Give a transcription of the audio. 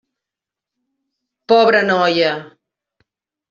Pobra noia!